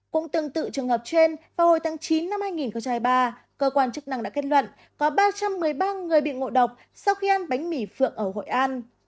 cũng tương tự trường hợp trên vào hồi tháng chín năm hai nghìn hai mươi ba cơ quan chức năng đã kết luận có ba trăm một mươi ba người bị ngộ độc sau khi ăn bánh mì phượng ở hội an